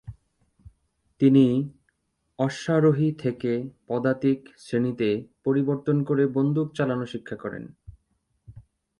তিনি অশ্বারোহী থেকে পদাতিক শ্রেণীতে পরিবর্তন করে বন্দুক চালনা শিক্ষা করেন।